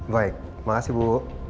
baik makasih bu